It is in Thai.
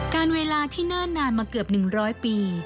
เวลาที่เนิ่นนานมาเกือบ๑๐๐ปี